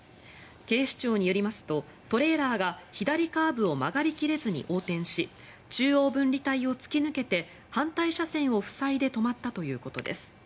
警視庁によりますとトレーラーが左カーブを曲がり切れずに横転し中央分離帯を突き抜けて反対車線を塞いで止まったということです。